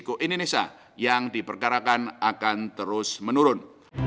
riko indonesia yang diperkarakan akan terus menurun